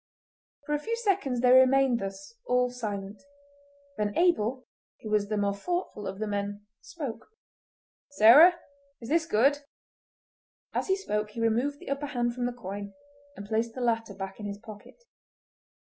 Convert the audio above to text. For a few seconds they remained thus, all silent; then Abel, who was the more thoughtful of the men, spoke: "Sarah! is this good?" As he spoke he removed the upper hand from the coin and placed the latter back in his pocket.